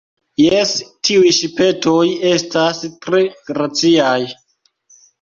Jes, tiuj ŝipetoj estas tre graciaj.